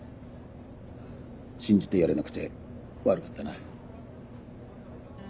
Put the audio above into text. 信じてやれなくて悪かったな。